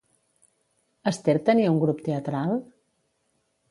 Ester tenia un grup teatral?